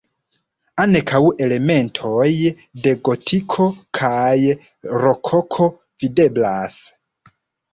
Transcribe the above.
Ankaŭ elementoj de gotiko kaj rokoko videblas.